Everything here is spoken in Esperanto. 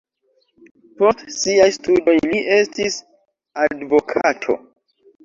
Post siaj studoj li estis advokato.